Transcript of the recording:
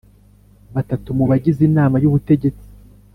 Batatu mu bagize inama y ubutegetsi